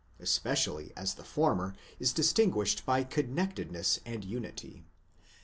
° especially as the former is distin guished by connectedness and unity.